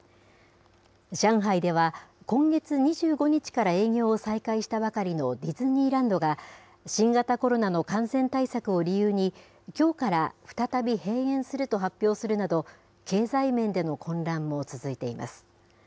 上海では、今月２５日から営業を再開したばかりのディズニーランドが、新型コロナの感染対策を理由に、きょうから再び閉園すると発表するなど、経済面での混乱も続いています。